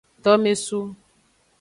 Tomesu.